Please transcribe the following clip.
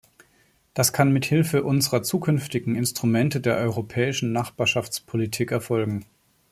Das kann mithilfe unserer zukünftigen Instrumente der Europäischen Nachbarschaftspolitik erfolgen.